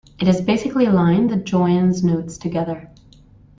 It is basically a line that joins notes together.